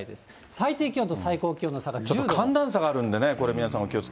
最低気温と最高気温の差が１０度。